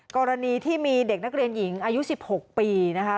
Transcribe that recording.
กรณีที่มีเด็กนักเรียนหญิงอายุ๑๖ปีนะคะ